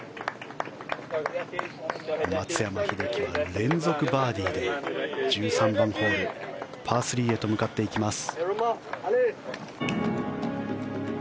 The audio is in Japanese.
松山英樹は連続バーディーで１３番ホールパー３へと向かっていきます。